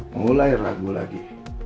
mulai ragu lagi